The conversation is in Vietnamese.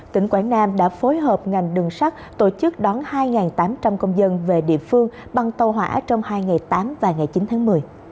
tỉnh quảng nam đã phối hợp ngành đường sắt tổ chức đón hai tám trăm linh công dân về địa phương bằng tàu hỏa trong hai ngày tám và ngày chín tháng một mươi